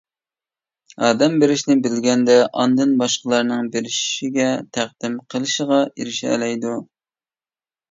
ئادەم بېرىشنى بىلگەندە، ئاندىن باشقىلارنىڭ بېرىشىگە، تەقدىم قىلىشىغا ئېرىشەلەيدۇ.